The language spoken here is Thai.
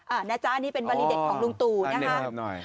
อ่านะจ๊ะนี่เป็นวันนี้เด็กของลุงตูนะคะอันนี้น้อย